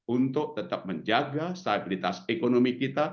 untuk tetap menjaga stabilitas ekonomi kita